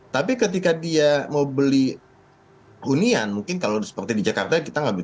tapi ketika dia mau beli hunian mungkin kalau seperti di jakarta kita nggak bisa